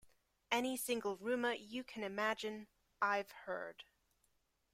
Any single rumor you can imagine, I've heard.